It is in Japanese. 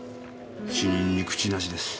死人に口なしです。